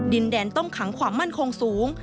ดินแดนต้องขังความมั่นคงสูง